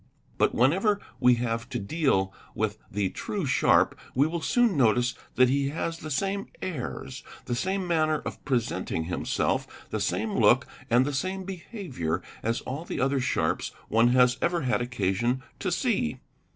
But whenever we have to deal with the true sharp we will soon notice that he has the same airs, the same manner of presenting himself, the same look, and the same behaviour, as all the other sharps one has ever had occasion to see.